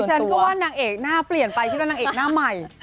ฉันก็ว่านางเอกหน้าเปลี่ยนไปคิดว่านางเอกหน้าใหม่